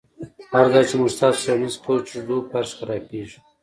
هر ځای چې موږ ستاسو څیړنیز کوچ ږدو فرش خرابیږي